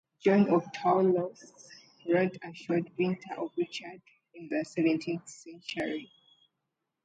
John of Toulouse wrote a short "Vita" of Richard in the seventeenth century.